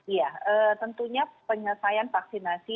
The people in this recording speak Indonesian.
iya tentunya penyesaian vaksinasi